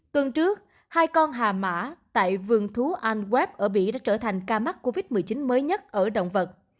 tuần trước hai con hà mã tại vương thú alweb ở mỹ đã trở thành ca mắc covid một mươi chín mới nhất ở động vật